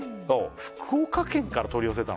福岡県から取り寄せたの？